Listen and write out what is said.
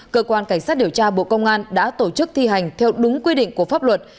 cơ quan cảnh sát điều tra bộ công an đã tổ chức thi hành theo đúng quy định của pháp luật